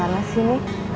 ih kemana sih ini